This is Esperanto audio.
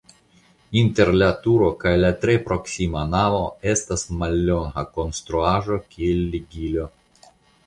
Inter la turo kaj la tre proksima navo estas mallonga konstruaĵo kiel ligilo.